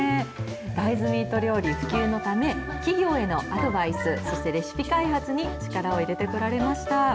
大豆ミート料理普及のため、企業へのアドバイス、そしてレシピ開発に力を入れてこられました。